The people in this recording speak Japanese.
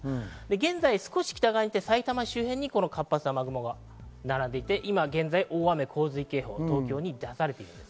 現在少し北側で埼玉周辺に活発な雨雲が並んでいて、今現在、大雨洪水警報が東京に出されています。